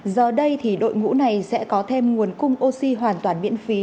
giờ đây thì đội ngũ này sẽ có thêm nguồn cung oxy hoàn toàn miễn phí